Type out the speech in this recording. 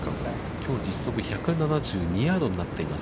きょう実測１７２ヤードになっています。